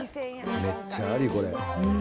めっちゃあり、これ。